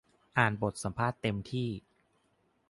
อ่านบทสัมภาษณ์เต็มที่